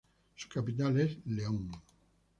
Su capital es León.